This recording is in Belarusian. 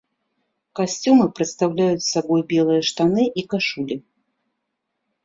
Касцюмы прадстаўляюць сабой белыя штаны і кашулі.